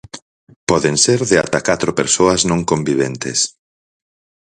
Poden ser de ata catro persoas non conviventes.